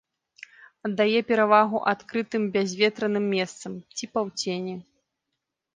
Аддае перавагу адкрытым бязветраным месцам ці паўцені.